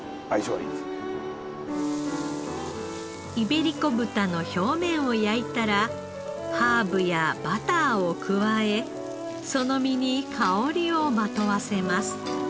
イベリコ豚の表面を焼いたらハーブやバターを加えその身に香りをまとわせます。